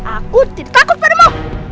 aku tidak takut padamu